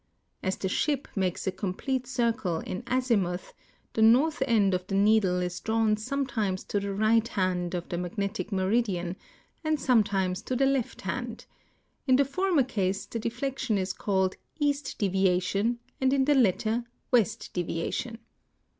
As the .ship makes a complete circle in azimuth, the north end of the needle is drawn sometimes to the right hand of the magnetic meridian and sometimes to the left hand ; in the tbruier case the detlec tion is called east deviation and in the latter west deviation.